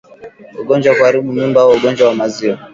Ugonjwa wa kuharibu Mimba au Ugonjwa wa Maziwa